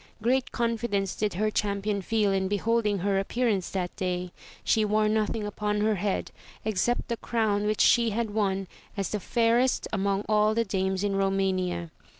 Great confidence did her champion feel in beholding her appearance that day ; she wore nothing upon her head, except the crown which she had won as the fairest among all the dames in Romania.